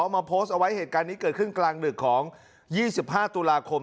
มาโพสต์เอาไว้เหตุการณ์นี้เกิดขึ้นกลางดึกของ๒๕ตุลาคม